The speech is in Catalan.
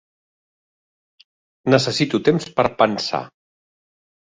Necessito temps per pensar.